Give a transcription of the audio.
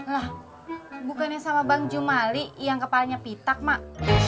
lah bukannya sama bang jumali yang kepalanya pitak mak